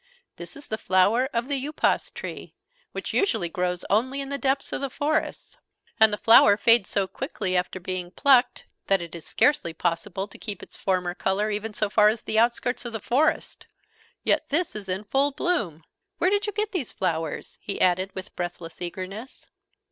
This is the flower of the Upas tree, which usually grows only in the depths of forests; and the flower fades so quickly after being plucked, that it is scarcely possible to keep its form or colour even so far as the outskirts of the forest! Yet this is in full bloom! Where did you get these flowers?" he added with breathless eagerness.